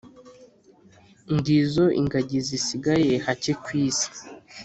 ngizo ingagi zisigaye hake ku isi